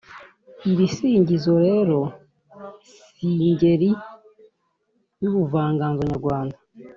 Ibisingizo rero si ingeri y’ubuvanganzo nyarwanda